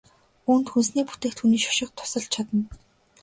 Үүнд хүнсний бүтээгдэхүүний шошго тусалж чадна.